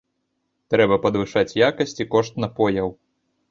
Трэба падвышаць якасць і кошт напояў.